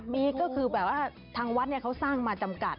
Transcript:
มีก็คือแบบว่าทางวัดเขาสร้างมาจำกัด